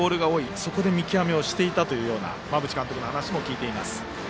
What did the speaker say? そこで見極めをしていったという馬淵監督の話も聞いています。